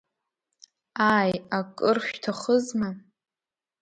Ааи, акыр шәҭахызма?